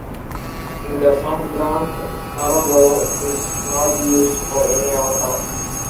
In Dasam Granth, Sarabloh is not used for any Avtar.